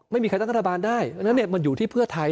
๒๙๒ไม่มีใครตั้งกระทำการได้